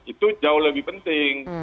itu jauh lebih penting